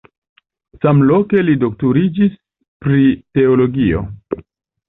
Samloke li doktoriĝis pri teologio.